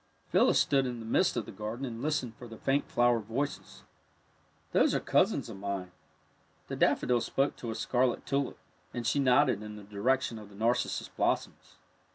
Phyllis stood in the midst of the garden and listened for the faint flower voices. '' Those are cousins of mine." The daffodil spoke to a scarlet tulip, and she nodded in the direction of the narcissus blossoms.